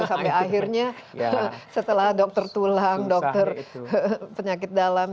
sampai akhirnya setelah dokter tulang dokter penyakit dalam